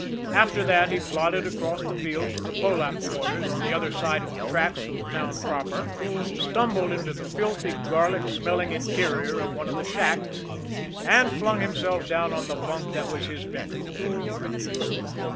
After that he plodded across the fields to the Polack quarters on the other side of the tracks from the town proper, stumbled into the filthy, garlic smelling interior of one of the shacks, and flung himself down on the bunk that was his bedroom.